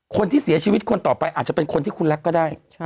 คนที่เสียชีวิตคนต่อไปอาจจะเป็นคนที่คุณรักก็ได้